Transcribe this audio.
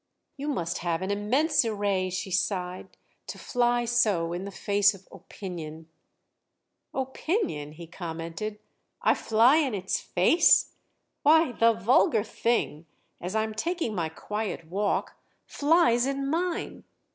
"You must have an immense array," she sighed, "to fly so in the face of Opinion!" "'Opinion'?" he commented—"I fly in its face? Why, the vulgar thing, as I'm taking my quiet walk, flies in mine!